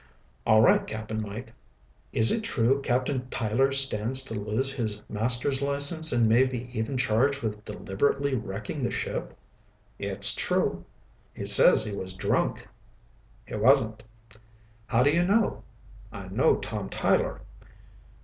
"All right, Cap'n Mike. Is it true Captain Tyler stands to lose his master's license and may be even charged with deliberately wrecking the ship?" "It's true. "He says he was drunk." "He wasn't." "How do you know?" "I know Tom Tyler."